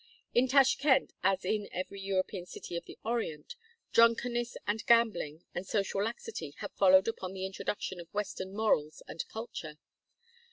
In Tashkend, as in every European city of the Orient, drunkenness, and gambling, and social laxity have followed upon the introduction of Western morals and culture.